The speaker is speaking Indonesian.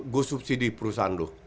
gue subsidi perusahaan lo